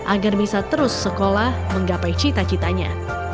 agar bisa terus sekolah menggapai cita citanya